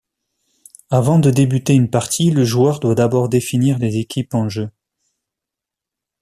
Avant de débuter une partie, le joueur doit d'abord définir les équipes en jeu.